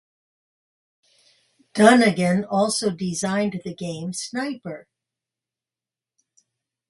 Dunnigan also designed the game Sniper!